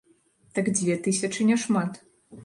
Так дзве тысячы не шмат.